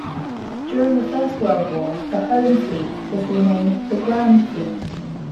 During the First World War, the Home Fleet was renamed the Grand Fleet.